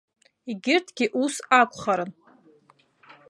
Егьырҭгьы ус акәхарын.